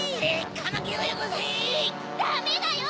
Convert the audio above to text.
ダメだよ！